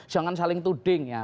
jangan saling tuding ya